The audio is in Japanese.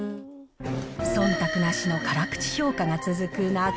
そんたくなしの辛口評価が続く中。